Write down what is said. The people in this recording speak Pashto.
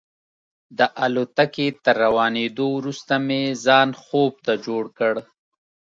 د الوتکې تر روانېدو وروسته مې ځان خوب ته جوړ کړ.